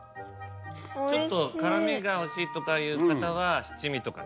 ちょっと辛みが欲しいとかいう方は七味とかね。